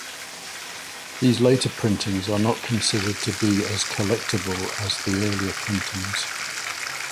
These later printings are not considered to be as 'collectible' as the earlier printings.